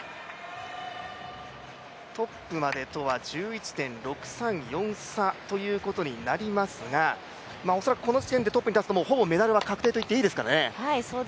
トップまでとは１１．６３４差ということになりますが、恐らくこの時点でトップに立つとメダルは確定といっていいですね。